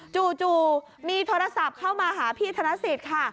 จู่มีโทรศัพท์เข้ามาหาพี่ธนสิทธิ์ค่ะ